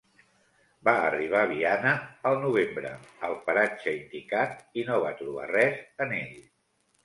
Va arribar Viana, el novembre, al paratge indicat i no va trobar res en ell.